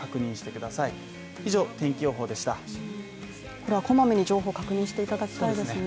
こまめに情報確認していただきたいです。